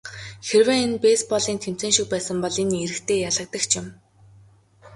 Хэрвээ энэ бейсболын тэмцээн шиг байсан бол энэ эрэгтэй ялагдагч юм.